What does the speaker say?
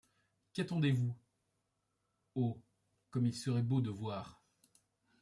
Qu'attendez-vous ? Oh ! comme il serait beau de voir